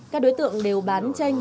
các đối tượng đều bán tranh